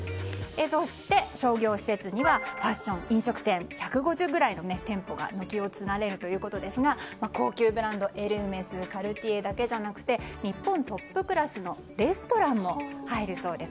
そして、商業施設にはファッション、飲食店１５０ぐらいの店舗が軒を連ねるということですが高級ブランドのエルメスやカルティエだけじゃなく日本トップクラスのレストランも入るそうです。